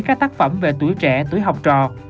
các tác phẩm về tuổi trẻ tuổi học trò